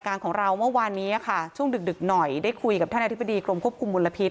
การของเราเมื่อวานนี้ค่ะช่วงดึกหน่อยได้คุยกับท่านอธิบดีกรมควบคุมมลพิษ